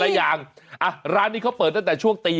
อ่ะก็มีอร้านที่เขาเปิดตั้งแต่ช่วงตี๕